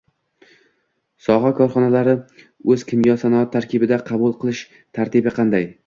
Soha korxonalarini “O’zkimyosanoat” tarkibiga qabul qilish tartibi qanday?